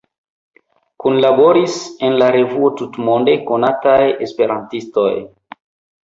Kunlaboris en la revuo tutmonde konataj esperantistoj.